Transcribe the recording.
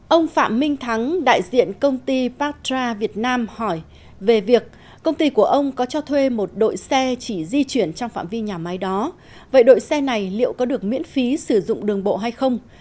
ông phạm minh thắng đại diện công ty pastra việt nam hỏi về việc công ty của ông có cho thuê một đội xe chỉ di chuyển trong phạm vi nhà máy đó vậy đội xe này liệu có được miễn phí sử dụng đường bộ hay không